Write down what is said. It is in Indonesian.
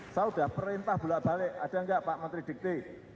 saya sudah perintah bolak balik ada nggak pak menteri dikti